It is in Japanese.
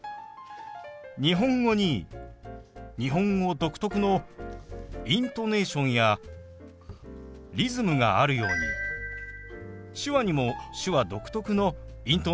日本語に日本語独特のイントネーションやリズムがあるように手話にも手話独特のイントネーションやリズムがあります。